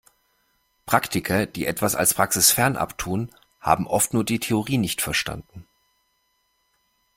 Praktiker, die etwas als praxisfern abtun, haben oft nur die Theorie nicht verstanden.